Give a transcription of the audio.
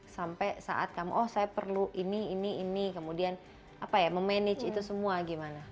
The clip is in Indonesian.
sampai saat kamu oh saya perlu ini ini ini kemudian apa ya memanage itu semua gimana